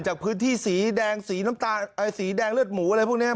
จากพื้นที่สีแดงสีน้ำตาลสีแดงเลือดหมู่